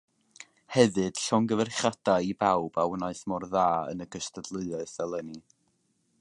Hefyd llongyfarchiadau i bawb a wnaeth mor dda yn y gystadleuaeth eleni